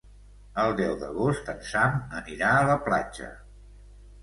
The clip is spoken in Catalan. El deu d'agost en Sam anirà a la platja.